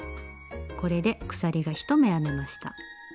これで鎖が１目編めました。